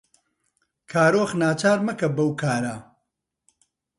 کارۆخ ناچار مەکە بەو کارە.